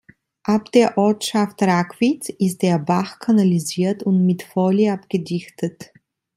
Ab der Ortschaft Rackwitz ist der Bach kanalisiert und mit Folie abgedichtet.